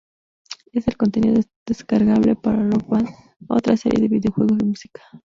Es el contenido descargable para Rock Band, otra serie de videojuegos de música.